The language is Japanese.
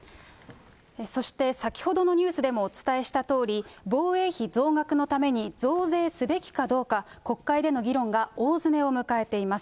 そして先ほどのニュースでもお伝えしたとおり、防衛費増額のために増税すべきかどうか、国会での議論が大詰めを迎えています。